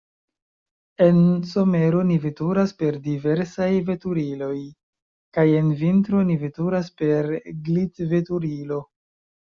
En somero ni veturas per diversaj veturiloj, kaj en vintro ni veturas per glitveturilo.